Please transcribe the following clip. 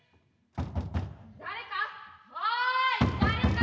・誰か！